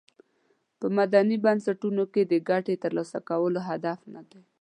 په مدني بنسټونو کې د ګټې تر لاسه کول هدف ندی.